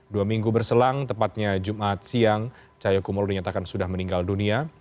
dua minggu berselang tepatnya jumat siang cahaya kumolo dinyatakan sudah meninggal dunia